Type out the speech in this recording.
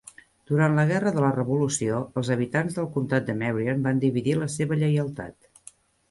Durant la Guerra de la Revolució, els habitants del comtat de Marion van dividir la seva lleialtat.